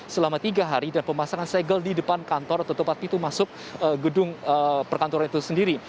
selama tiga hari dan pemasangan segel di depan kantor atau tempat pintu masuk gedung perkantoran itu sendiri